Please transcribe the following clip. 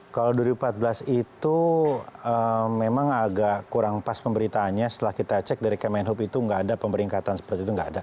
kalau dua ribu empat belas itu memang agak kurang pas pemberitaannya setelah kita cek dari kemenhub itu nggak ada pemberingkatan seperti itu